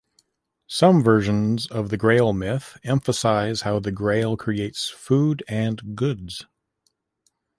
Some versions of the Grail myth emphasize how the Grail creates food and goods.